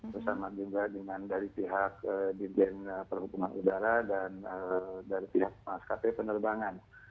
bersama juga dengan dari pihak dirjen perhubungan udara dan dari pihak maskapai penerbangan